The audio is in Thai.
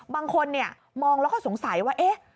บางคนมองแล้วก็สงสัยว่าเอ๊ะ